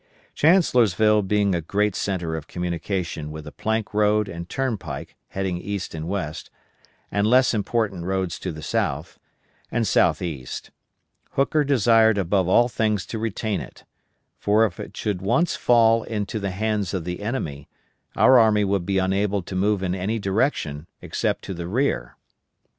Chancellorsville being a great center of communication with the plank road and turnpike heading east and west, and less important roads to the south, and southeast, Hooker desired above all things to retain it; for if it should once fall into the hands of the enemy, our army would be unable to move in any direction except to the rear.